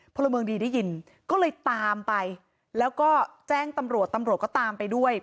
พลเมืองดีได้ยินก็เลยตามไปแล้วก็แจ้งตำรวจตำรวจก็ตามไปด้วย